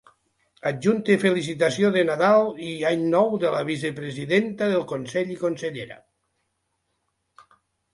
Adjunte felicitació de Nadal i Any Nou de la vicepresidenta del Consell i consellera.